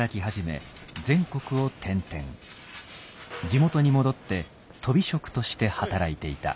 地元に戻ってとび職として働いていた。